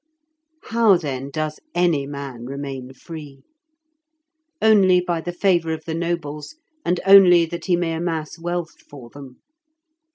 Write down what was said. How, then, does any man remain free? Only by the favour of the nobles, and only that he may amass wealth for them.